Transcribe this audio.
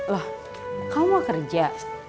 lah kamu mau kerja